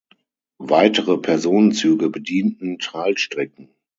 Weitere Personenzüge bedienten Teilstrecken.